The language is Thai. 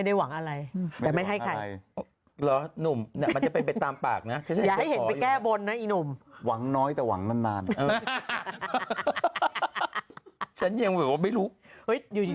อุ่นหน้ากราชจะหลีดไปเรื่องกันลวกนะคุณ